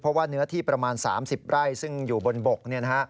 เพราะว่าเนื้อที่ประมาณ๓๐ไร่ซึ่งอยู่บนบก